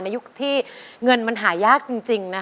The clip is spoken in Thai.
ยุคที่เงินมันหายากจริงนะคะ